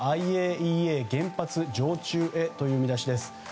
ＩＡＥＡ、原発常駐へという見出しです。